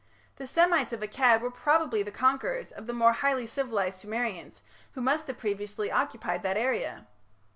The Semites of Akkad were probably the conquerors of the more highly civilized Sumerians, who must have previously occupied that area.